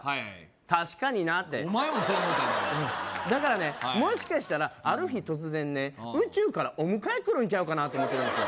確かになってお前もそう思うたんかいだからねもしかしたらある日突然ね宇宙からお迎え来るんちゃうかなって思ってるんですよ